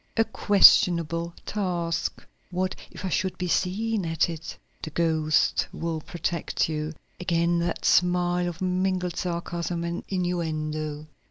"A questionable task. What if I should be seen at it?" "The ghost will protect you!" Again that smile of mingled sarcasm and innuendo.